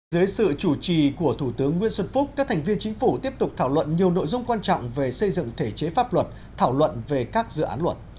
dưới sự chủ trì của thủ tướng nguyễn xuân phúc các thành viên chính phủ tiếp tục thảo luận nhiều nội dung quan trọng về xây dựng thể chế pháp luật thảo luận về các dự án luật